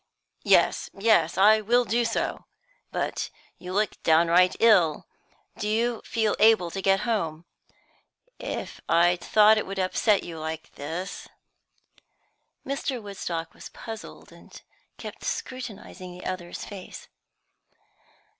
"Yes, yes; I will do so. But you look downright ill. Do you feel able to get home? If I'd thought it would upset you like this " Mr. Woodstock was puzzled, and kept scrutinising the other's face.